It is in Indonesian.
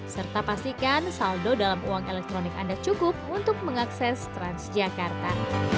serta pastikan saldo dalam uang elektronik anda cukup untuk mengakses transjakarta